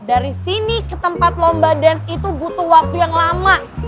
dari sini ke tempat lomba dance itu butuh waktu yang lama